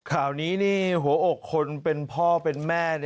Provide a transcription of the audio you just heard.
ข่าวนี้นี่หัวอกคนเป็นพ่อเป็นแม่